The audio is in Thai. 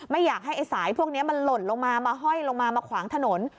ไม่อยากให้ไอ้สายพวกนี้มันหล่นลงมามาห้อยลงมามาขวางถนน